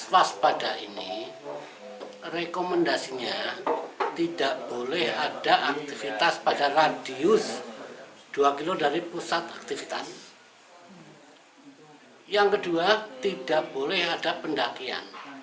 yang kedua tidak boleh ada pendakian